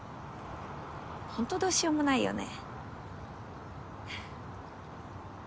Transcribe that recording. ほんとどうしようもないよね。